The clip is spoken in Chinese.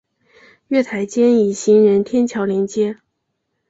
月台间以行人天桥连接。